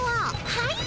はい。